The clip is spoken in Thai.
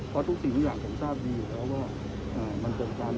เพราะทุกสิ่งทุกอย่างผมทราบดีอยู่แล้วว่ามันเป็นการ